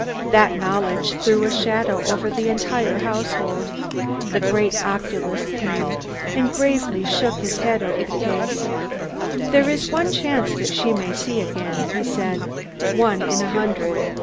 That knowledge threw a shadow over the entire household. The great oculist came, and gravely shook his head over the case. "There is one chance that she may see again," he said, "one in a hundred.